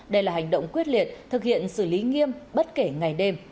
đây là hành động quyết liệt thực hiện xử lý nghiêm bất kể ngày đêm